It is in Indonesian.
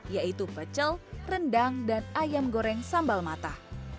yaitu pecel rendang dan ayam goreng sambal mata